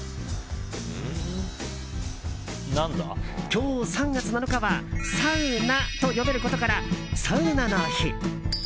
今日、３月７日はサウナと読めることからサウナの日。